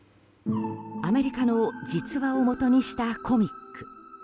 アメリカの実話をもとにしたコミック。